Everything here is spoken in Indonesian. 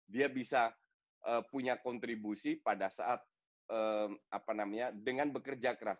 dia bisa punya kontribusi pada saat dengan bekerja keras